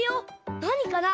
なにかな？